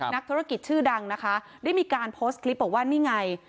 นักธุรกิจชื่อดังนะคะได้มีการโพสต์คลิปบอกว่านี่ไง